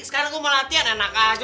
sekarang gue mau latihan enak aja